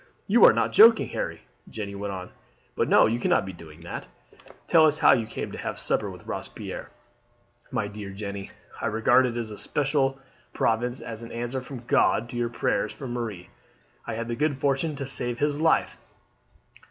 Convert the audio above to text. "You are not joking, Harry?" Jeanne went on. "But no, you cannot be doing that; tell us how you came to have supper with Robespierre." "My dear Jeanne, I regard it as a special providence, as an answer from God to your prayers for Marie. I had the good fortune to save his life."